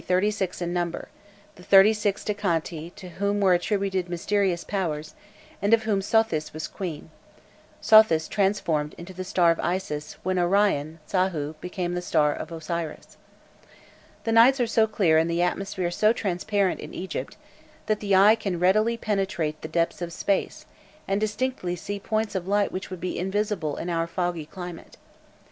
The constellations were reckoned to be thirty six in number, the thirty six decani to whom were attributed mysterious powers, and of whom Sothis was queen Sothis transformed into the star of Isis, when Orion (Sâhû), became the star of Osiris. The nights are so clear and the atmosphere so transparent in Egypt, that the eye can readily penetrate the depths of space, and distinctly see points of light which would be invisible in our foggy climate.